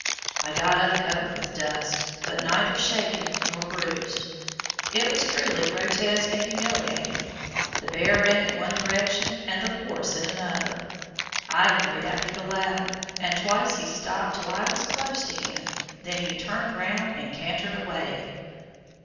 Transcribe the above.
I got up covered with dust, but neither shaken nor bruised. It was truly grotesque and humiliating. The bear ran in one direction, and the horse in another. I hurried after the latter, and twice he stopped till I was close to him, then turned round and cantered away.